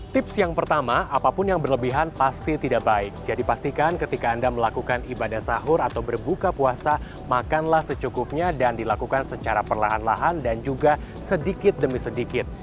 tips yang pertama apapun yang berlebihan pasti tidak baik jadi pastikan ketika anda melakukan ibadah sahur atau berbuka puasa makanlah secukupnya dan dilakukan secara perlahan lahan dan juga sedikit demi sedikit